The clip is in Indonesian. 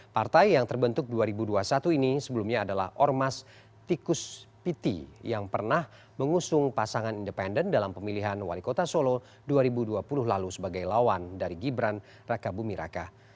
partai yang terbentuk dua ribu dua puluh satu ini sebelumnya adalah ormas tikus piti yang pernah mengusung pasangan independen dalam pemilihan wali kota solo dua ribu dua puluh lalu sebagai lawan dari gibran raka buming raka